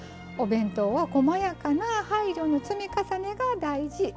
お弁当はこまやかな配慮の積み重ねが大事。